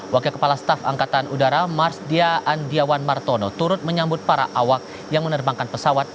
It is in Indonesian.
wakil kepala staf angkatan udara marsdia andiawan martono turut menyambut para awak yang menerbangkan pesawat